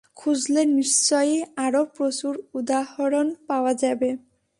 খুঁজলে নিশ্চয়ই আরো প্রচুর উদাহরণ পাওয়া যাবে।